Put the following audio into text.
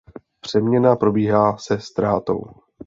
Přeměna probíhá se ztrátou.